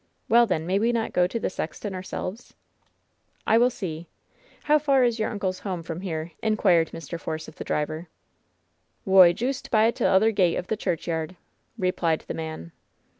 "Well, then, may we not go to the sexton ourselves ?" "I will see. How far is your uncle's home from here ?" inquired Mr. Force of the driver. "Whoy, joost by t'other gate o' the churchyard," re plied the man.